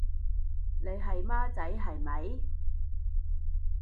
你係孻仔係咪？